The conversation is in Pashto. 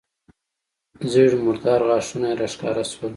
ژېړ مردار غاښونه يې راښکاره سول.